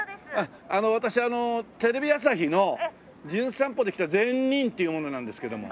私テレビ朝日の『じゅん散歩』で来た善人という者なんですけども。